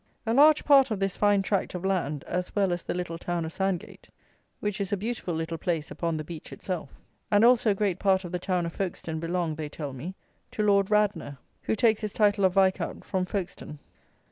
A large part of this fine tract of land, as well as the little town of Sandgate (which is a beautiful little place upon the beach itself), and also great part of the town of Folkestone belong, they tell me, to Lord Radnor, who takes his title of Viscount from Folkestone.